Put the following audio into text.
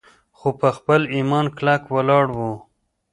خو پۀ خپل ايمان کلک ولاړ وو